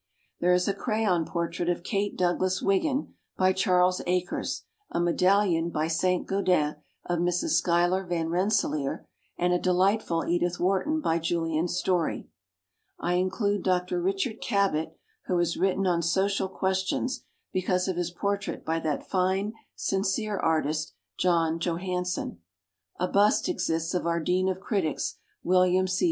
There is a crayon portrait of Kate Douglas Wiggin, by Charles Akers, a medallion by Saint Gaudens of Mrs. Schuyler Van Rensselaer, and a delightful Edith Wharton by Julian Story. I include Dr. Richard Cabot who has written on social questions, because of his portrait by that fine, sincere artist John Johansen. A bust ex ists of our dean of critics, William C.